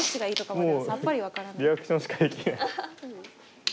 もうリアクションしかできない。